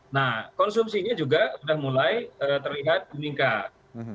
nah konsumsinya juga sudah mulai terlihat meningkat